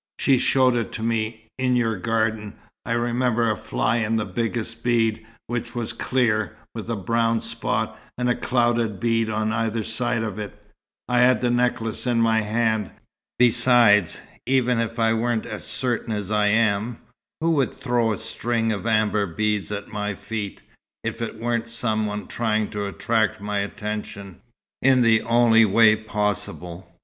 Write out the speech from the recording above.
"She showed it to me, in your garden. I remember a fly in the biggest bead, which was clear, with a brown spot, and a clouded bead on either side of it. I had the necklace in my hand. Besides, even if I weren't as certain as I am, who would throw a string of amber beads at my feet, if it weren't some one trying to attract my attention, in the only way possible?